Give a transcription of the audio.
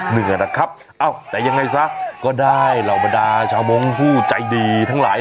เหนื่อยนะครับเอ้าแต่ยังไงซะก็ได้เหล่าบรรดาชาวมงค์ผู้ใจดีทั้งหลาย